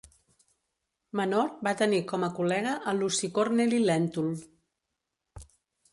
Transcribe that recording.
Menor va tenir com a col·lega a Luci Corneli Lèntul.